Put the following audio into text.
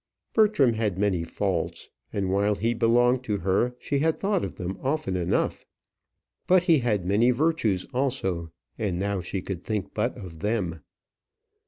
Bertram had many faults, and while he belonged to her, she had thought of them often enough; but he had many virtues also, and now she could think but of them.